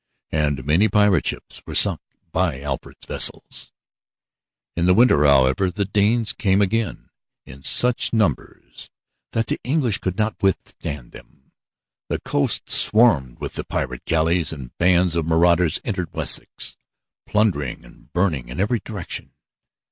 And many pirate ships were sunk by Alfred's vessels. In the winter, however, the Danes came again in such numbers that the English could not withstand them. The coast swarmed with the pirate galleys and bands of marauders entered Wessex, plundering and burning in every direction.